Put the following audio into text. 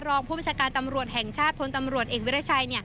รองผู้บัญชาการตำรวจแห่งชาติพลตำรวจเอกวิรัชัย